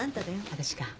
私か。